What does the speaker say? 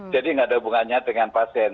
jadi tidak ada hubungannya dengan pasien